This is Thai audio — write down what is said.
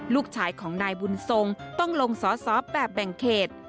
ลูกชายของนายบุญทรงต้องลงสอสอแบบแบ่งเขต